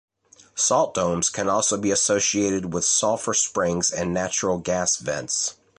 Salt domes can also be associated with sulfur springs and natural gas vents.